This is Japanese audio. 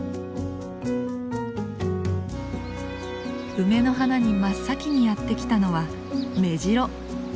梅の花に真っ先にやってきたのはメジロ。